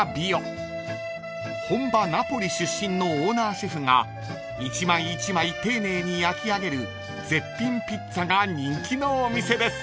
［本場ナポリ出身のオーナーシェフが一枚一枚丁寧に焼き上げる絶品ピッツァが人気のお店です］